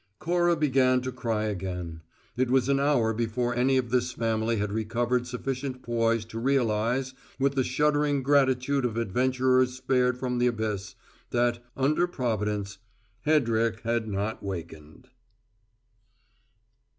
Cora began to cry again. It was an hour before any of this family had recovered sufficient poise to realize, with the shuddering gratitude of adventurers spared from the abyss, that, under Providence, Hedrick had not wakened!